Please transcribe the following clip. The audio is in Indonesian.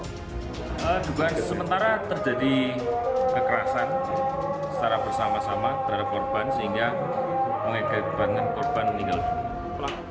dugaan sementara terjadi kekerasan secara bersama sama terhadap korban sehingga mengakibatkan korban meninggal pelaku